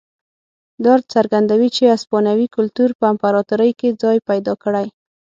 دا څرګندوي چې هسپانوي کلتور په امپراتورۍ کې ځای پیدا کړی.